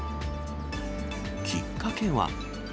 きっかけは。